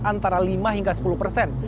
antara lima hingga sepuluh persen